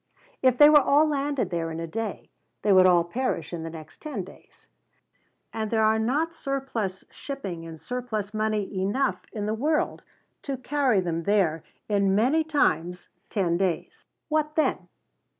If they were all landed there in a day, they would all perish in the next ten days; and there are not surplus shipping and surplus money enough in the world to carry them there in many times ten days. What then?